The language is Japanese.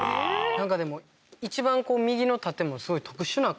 なんかでも一番右の建物すごい特殊な形ですよね